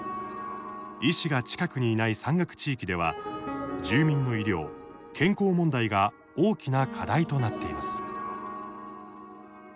医師が近くにいない山岳地域では住民の医療、健康問題が大きな課題となっています。